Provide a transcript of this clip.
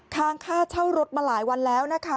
ค้างค่าเช่ารถมาหลายวันแล้วนะคะ